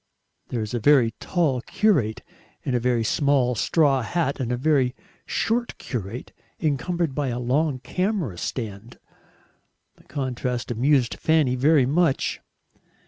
There was a very tall curate in a very small straw hat, and a very short curate encumbered by a long camera stand. The contrast amused Fanny very much.